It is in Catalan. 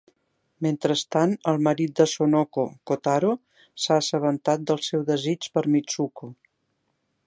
Mentrestant, el marit de Sonoko, Kotaro, s'ha assabentat del seu desig per Mitsuko.